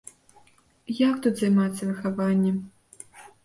Як тут займацца выхаваннем?